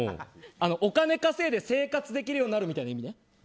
お金稼いで生活できるようになるみたいな意味。